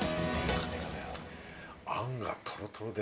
餡がトロトロで。